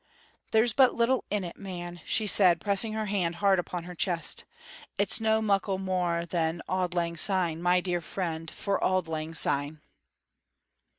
"There's but little in it, man," she said, pressing her hand hard upon her chest. "It's no muckle mair than 'Auld Lang Syne, my dear, for Auld Lang Syne.'"